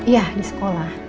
iya di sekolah